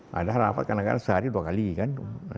padahal rapat kan sehari dua kali kan